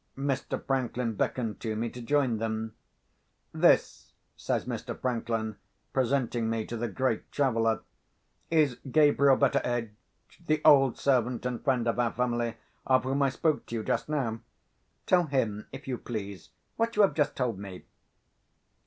Mr. Franklin beckoned to me to join them. "This," says Mr. Franklin, presenting me to the great traveller, "is Gabriel Betteredge, the old servant and friend of our family of whom I spoke to you just now. Tell him, if you please, what you have just told me."